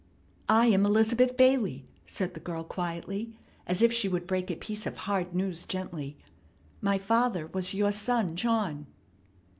"I am Elizabeth Bailey," said the girl quietly, as if she would break a piece of hard news gently. "My father was your son John."